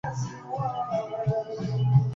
En la cola suele estar algún chequeo de errores.